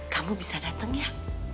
kamu bisa datang ya